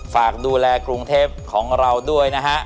ฝากดูแลกรุงเทพของเราด้วยนะฮะ